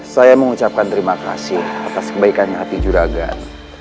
saya mengucapkan terima kasih atas kebaikan hati juragan